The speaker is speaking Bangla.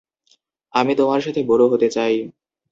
আমি তোমার সাথে বুড়ো হতে চাই।